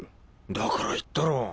だから言ったろ？